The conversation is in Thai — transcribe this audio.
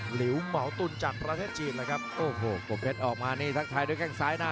หลิวเหมาตุนจากประเทศจีนเลยครับโอ้โหปมเพชรออกมานี่ทักทายด้วยแข้งซ้ายหน้า